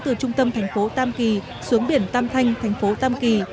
từ trung tâm thành phố tâm kỳ xuống biển tam thanh thành phố tâm kỳ